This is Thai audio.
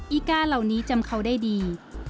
อีกาเหล่านี้จำเขาได้ดี